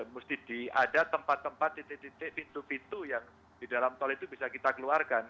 mesti ada tempat tempat titik titik pintu pintu yang di dalam tol itu bisa kita keluarkan